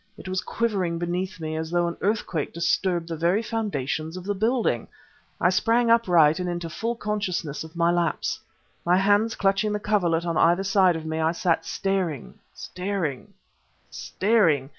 It was quivering beneath me as though an earthquake disturbed the very foundations of the building. I sprang upright and into full consciousness of my lapse.... My hands clutching the coverlet on either side of me, I sat staring, staring, staring